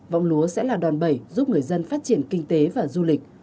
võng lúa sẽ là đoàn bẩy giúp người dân phát triển kinh tế và du lịch